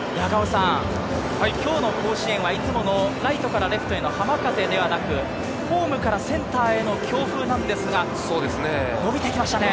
今日の甲子園はいつものライトからレフトへの浜風ではなく、ホームからセンターへの強風なんですが、伸びてきましたね。